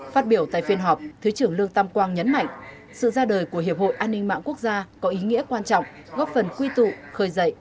phát biểu tại phiên họp thứ trưởng lương tam quang nhấn mạnh sự ra đời của hiệp hội an ninh mạng quốc gia có ý nghĩa quan trọng góp phần quy tụ khơi dậy